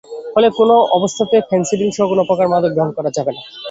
ফলে কোনো অবস্থাতে ফেনসিডিলসহ কোনো প্রকার মাদক গ্রহণ করা যাবে না।